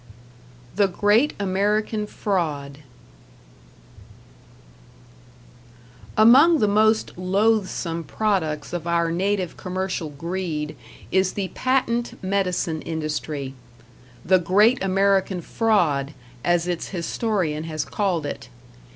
#The Great American Fraud# Among the most loathesome products of our native commercial greed is the patent medicine industry, "The Great American Fraud," as its historian has called it.